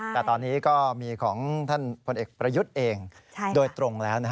แต่ตอนนี้ก็มีของท่านพลเอกประยุทธ์เองโดยตรงแล้ว